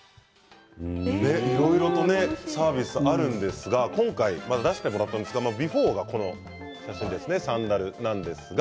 いろいろとねサービスがあるんですが今回、出してもらったんですがビフォーがこちらのサンダルです。